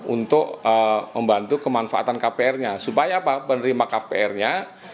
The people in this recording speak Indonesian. untuk membantu kemanfaatan kpr nya supaya penerima kpr nya